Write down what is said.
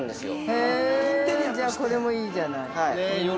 ◆へえ、じゃあこれもいいじゃない。